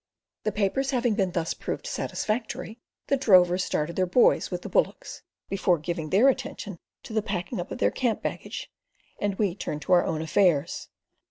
The papers having been thus proved satisfactory, the drovers started their boys with the bullocks, before giving their attention to the packing up of their camp baggage, and we turned to our own affairs.